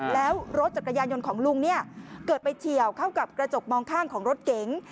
แล้วรถจักรยานยนต์ของลุงเนี่ยเกิดไปเฉียวเข้ากับกระจกมองข้างของรถเก๋ง